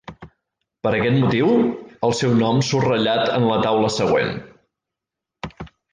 Per aquest motiu el seu nom surt ratllat en la taula següent.